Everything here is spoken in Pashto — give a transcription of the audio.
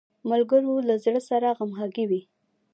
ملګری له زړه سره همږغی وي